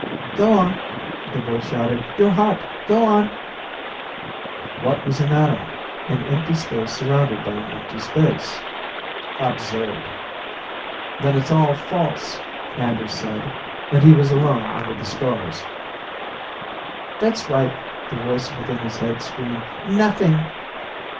"Go on!" the voice shouted. "You're hot! Go on!" What was an atom? An empty space surrounded by an empty space. Absurd! "Then it's all false!" Anders said. And he was alone under the stars. "That's right!" the voice within his head screamed. "Nothing!"